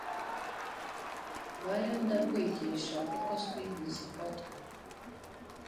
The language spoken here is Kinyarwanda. vayo nda kwigishe uko swingi zifatwa